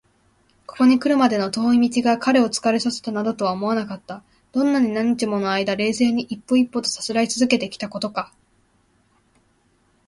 ここにくるまでの遠い道が彼を疲れさせたなどとは思われなかった。どんなに何日ものあいだ、冷静に一歩一歩とさすらいつづけてきたことか！